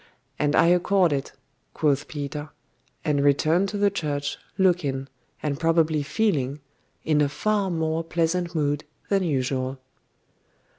'And I accord it,' quoth Peter; and returned to the church, looking, and probably feeling, in a far more pleasant mood than usual.